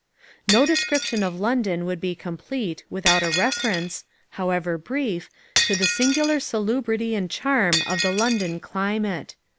No description of London would be complete without a reference, however brief, to the singular salubrity and charm of the London climate.